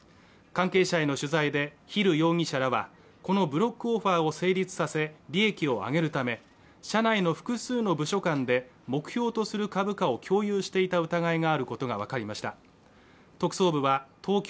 関係者への取材でヒル容疑者らはこのブロックオファーを成立させ利益を上げるため社内の複数の部署間で目標とする株価を共有していた疑いがあることが分かりました